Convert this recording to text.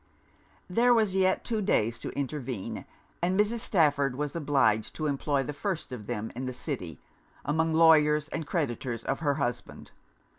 There was yet two days to intervene; and Mrs. Stafford was obliged to employ the first of them in the city, among lawyers and creditors of her husband.